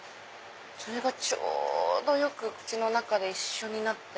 それがちょうどよく口の中で一緒になって。